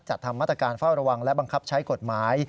ทำมาตรการเฝ้าระวังและบังคับใช้กฎหมาย